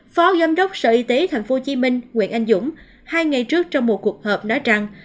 phó giám đốc sở y tế tp hcm nguyễn anh dũng hai ngày trước trong một cuộc họp nói rằng